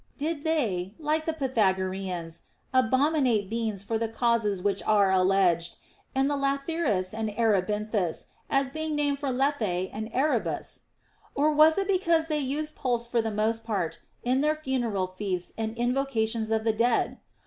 Did they, like the Pythagoreans, abominate beans for the causes which are alleged, and the lathyrus and erebinthus as being named from Lethe and Erebus ? Or was it because they used pulse for the most part in their funeral feasts and invocations of the dead